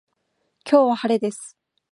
今日は晴れです。